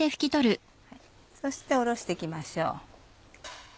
そしておろして行きましょう。